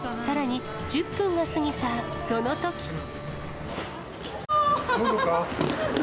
さらに、１０分が過ぎたそのとき。